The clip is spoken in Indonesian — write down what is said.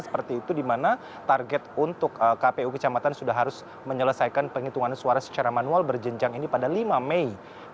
seperti itu di mana target untuk kpu kecamatan sudah harus menyelesaikan penghitungan suara secara manual berjenjang ini pada lima mei dua ribu dua puluh